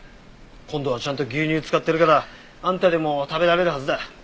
今度はちゃんと牛乳使ってるからあんたでも食べられるはずだ。